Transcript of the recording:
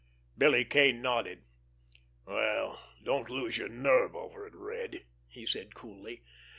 Billy Kane nodded. "Well, don't lose your nerve over it, Red," he said coolly.